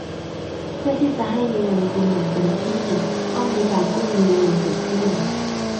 เพื่อที่จะให้มีเงินทุนอย่างเต็มที่ ต้องมีการกู้ยืมเงินเกิดขึ้น